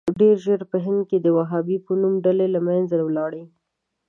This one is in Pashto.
ډېر ژر په هند کې د وهابي په نوم ډلې له منځه ولاړې.